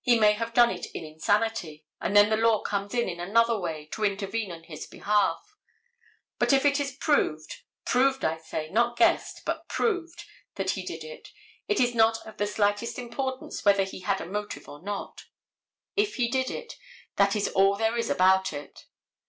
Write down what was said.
He may have done it in insanity, and then the law comes in, in another way, to intervene in his behalf. But if it is proved—proved, I say, not guessed, but proved—that he did it, it is not of the slightest importance whether he had a motive or not. If he did it, that is all there is about it.